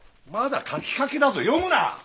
まだ書きかけだぞ読むな！